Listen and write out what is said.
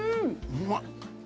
うまっ。